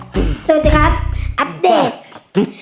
สวัสดีครับอัปเดต